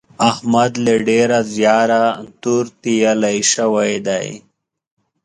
احمد له ډېره زیاره تور تېيلی شوی دی.